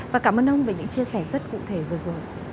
và cảm ơn ông về những chia sẻ rất cụ thể vừa rồi